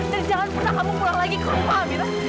dan jangan pernah kamu pulang lagi ke rumah amira